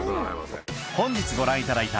本日ご覧いただいた